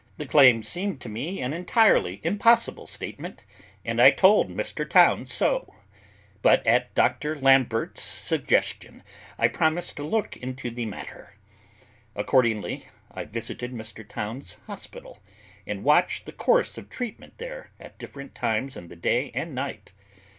The claim seemed to me an entirely impossible statement, and I told Mr. Towns so; but at Dr. Lambert's suggestion, I promised to look into the matter. Accordingly, I visited Mr. Towns's hospital, and watched the course of treatment there at different times in the day and night.